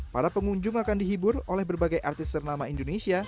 para pengunjung akan dihibur oleh berbagai artis ternama indonesia